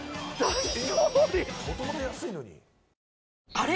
あれ？